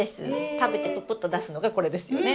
食べてププッと出すのがこれですよね。